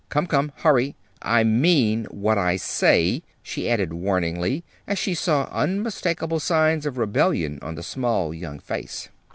Come, come, hurry! I mean what I say," she added warningly, as she saw unmistakable signs of rebellion on the small young face.